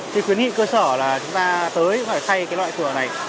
thì khuyến nghị cơ sở là chúng ta tới phải thay cái loại cửa này